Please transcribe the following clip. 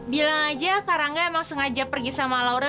bilang aja karangga emang sengaja pergi sama laura